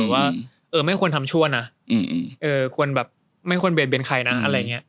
ว่าไม่ควรทำชั่วไม่ควรเปลี่ยนเป็นใคร